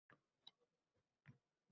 Faqat soch ko‘rinardi xolos.